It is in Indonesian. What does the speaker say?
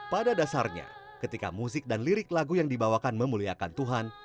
pada dasarnya ketika musik dan lirik lagu yang dibawakan memuliakan tuhan